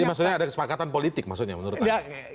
jadi maksudnya ada kesepakatan politik maksudnya menurut anda